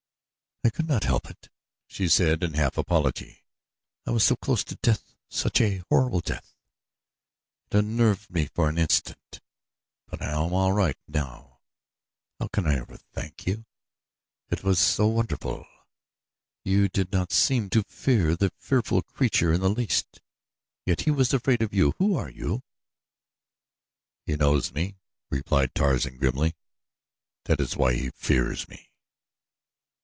"I could not help it," she said, in half apology. "I was so close to death such a horrible death it unnerved me for an instant; but I am all right now. How can I ever thank you? It was so wonderful you did not seem to fear the frightful creature in the least; yet he was afraid of you. Who are you?" "He knows me," replied Tarzan, grimly "that is why he fears me."